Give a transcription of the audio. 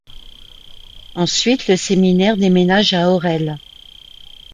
Ensuite le séminaire déménage à Orel.